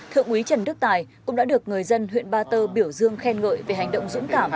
thượng úy trần đức tài cũng đã được người dân huyện ba tơ biểu dương khen ngợi về hành động dũng cảm